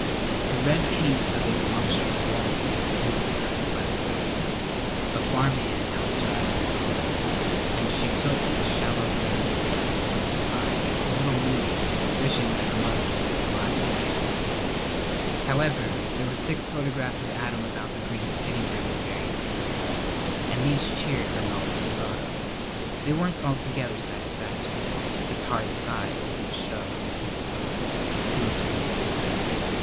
The red paint of his monstrous water tanks soothed her by their brilliance. A farmhand helped her out of the car and she took the shallow veranda steps one at a time, a little moody, wishing that her mother was still alive to see Adam's glory. However, there were six photographs of Adam about the green sitting room in various uniforms, and these cheered her moment of sorrow. They weren't altogether satisfactory. His hard size didn't show in single poses. He looked merely beautiful. Mrs.